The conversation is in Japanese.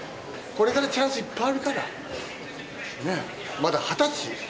これからチャンスいっぱいあるから。ね、まだ２０歳？